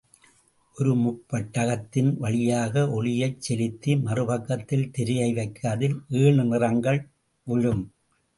ஒரு முப்பட்டகத்தின் வழியாக ஒளியைச் செலுத்தி, மறுபக்கத்தில் திரையை வைக்க, அதில் ஏழு நிறங்கள் விழும்.